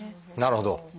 なるほど。